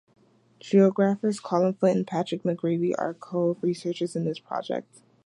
Geographers Colin Flint and Patrick McGreevey are co-researchers in this project.